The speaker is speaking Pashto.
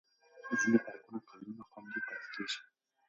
ځینې خوراکونه کلونه خوندي پاتې کېږي.